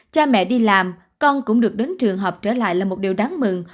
cha mẹ đi làm con cũng được đến trường học trở lại là một điều đáng mừng